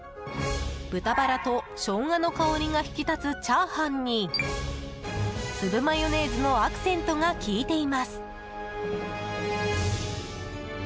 豚バラとショウガの香りが引き立つチャーハンにつぶマヨネーズのアクセントが効いています。